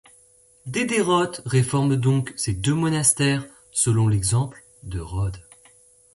Dederoth réforme donc ses deux monastères selon l'exemple de Rode.